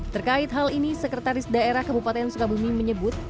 terkait hal ini sekretaris daerah kabupaten sukabumi menyebut